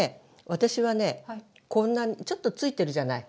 私はねこんなちょっと付いてるじゃない？